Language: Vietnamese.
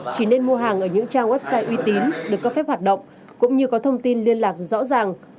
chỉ nên mua hàng ở những trang website uy tín được cấp phép hoạt động cũng như có thông tin liên lạc rõ ràng